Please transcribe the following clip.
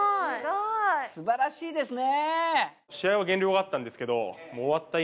すばらしいですね。